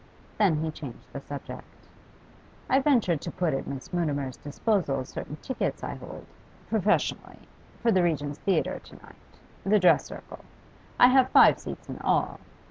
Then he changed the subject. 'I ventured to put at Miss Mutimer's disposal certain tickets I hold professionally for the Regent's Theatre to night the dress circle. I have five seats in all.